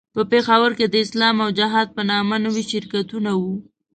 په پېښور کې د اسلام او جهاد په نامه نوي شرکتونه وو.